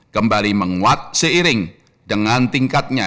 kembali menguat seiring dengan tingkatnya